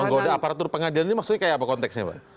menggoda aparatur pengadilan ini maksudnya kayak apa konteksnya pak